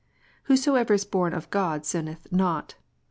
"Whosoever is born of God sinneth not."